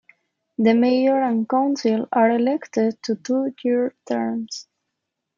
The mayor and council are elected to two-year terms.